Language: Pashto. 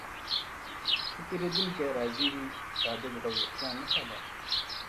که پیرودونکی راضي وي، دا د زړورتیا نښه ده.